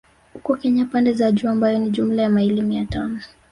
Huko Kenya pande za juu ambayo ni jumla ya maili mia tano